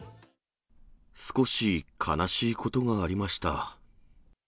少し悲しいことがありました。